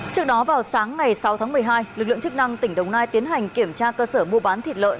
trước đó vào sáng ngày sáu tháng một mươi hai lực lượng chức năng tỉnh đồng nai tiến hành kiểm tra cơ sở mua bán thịt lợn